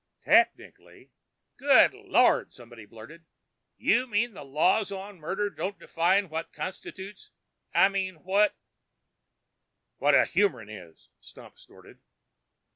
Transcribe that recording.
"Technically " "Good Lord!" someone blurted. "You mean the laws on murder don't define what constitutes I mean, what " "What a humern is?" Stump snorted.